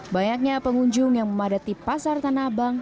banyaknya pengunjung yang memadati pasar tanah abang